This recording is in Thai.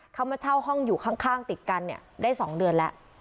เขามาเช่าห้องอยู่ข้างติดกันเนี่ยได้๒เดือนแล้ว